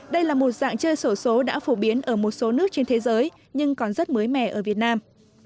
đây là một dạng chơi sổ số đã phổ biến ở một số nước trên thế giới nhưng còn rất mới mẻ ở việt nam